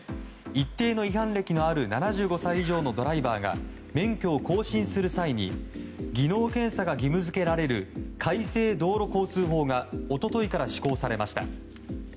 一定の違反歴のある７５歳以上のドライバーが免許を更新する際に技能検査が義務付けられる改正道路交通法が一昨日から施行されました。